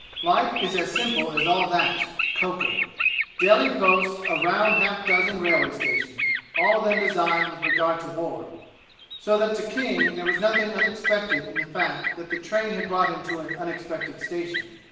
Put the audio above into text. Life is as simple as all that. Cocker Delhi boasts a round half dozen railway stations, all of them designed with regard to war, so that to King there was nothing unexpected in the fact that the train had brought him to an unexpected station.